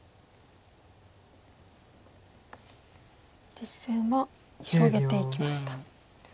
実戦は広げていきました。